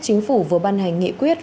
chính phủ vừa ban hành nghị quyết